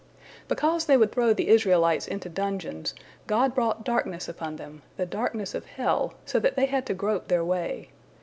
Because they would throw the Israelites into dungeons, God brought darkness upon them, the darkness of hell, so that they had to grope their way.